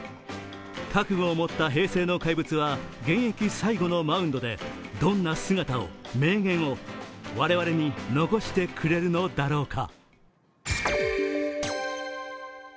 覚悟を持った平成の怪物は現役最後のマウンドでどんな姿を、名言を、我々に残してくれるのだろうか？